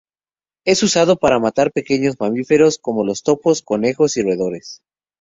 Es usado para matar pequeños mamíferos como los topos, conejos, y roedores.